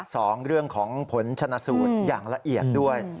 สองเรื่องของผลชนะสูตรอย่างละเอียดด้วย